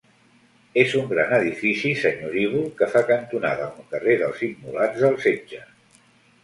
És un gran edifici senyorívol que fa cantonada amb el carrer dels Immolats del Setge.